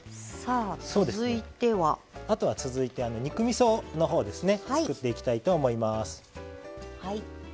続いて、肉みそのほうを作っていきたいと思います。